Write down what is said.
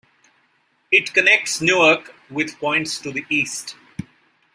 It connects Newark with points to the east.